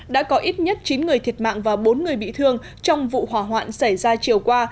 đã có ít nhất chín người thiệt mạng và bốn người bị thương trong vụ hỏa hoạn xảy ra chiều qua